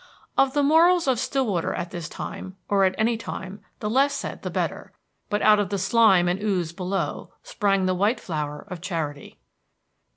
Of the morals of Stillwater at this time, or at any time, the less said the better. But out of the slime and ooze below sprang the white flower of charity.